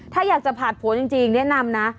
ถ้าอยากจะผ่านผลจริงแนะนำนะ